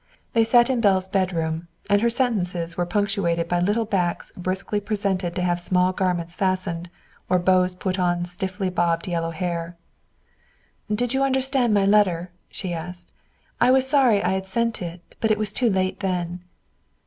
They sat in Belle's bedroom, and her sentences were punctuated by little backs briskly presented to have small garments fastened, or bows put on stiffly bobbed yellow hair. "Did you understand my letter?" she asked. "I was sorry I had sent it, but it was too late then."